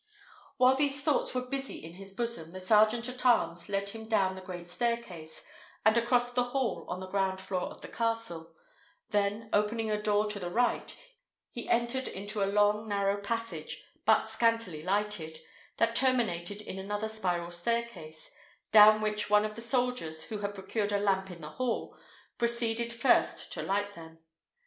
While these thoughts were busy in his bosom, the sergeant at arms led him down the great staircase, and across the hall on the ground floor of the castle; then, opening a door to the right, he entered into a long narrow passage, but scantily lighted, that terminated in another spiral staircase, down which one of the soldiers, who had procured a lamp in the hall, proceeded first to light them.